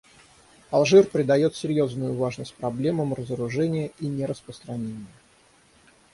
Алжир придает серьезную важность проблемам разоружения и нераспространения.